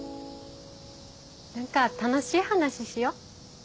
何か楽しい話しよ。